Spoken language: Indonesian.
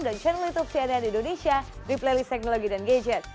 dan channel youtube cnn indonesia di playlist teknologi dan gadget